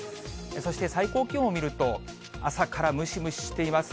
そして最高気温を見ると、朝からムシムシしています。